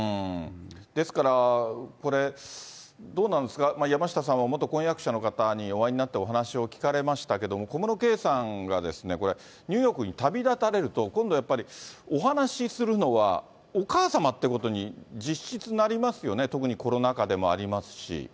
ですから、これ、どうなんですか、山下さんは元婚約者の方にお会いになって、お話を聞かれましたけれども、小室圭さんがこれ、ニューヨークに旅立たれると、今度やっぱり、お話しするのはお母様ってことに、実質なりますよね、そうですね。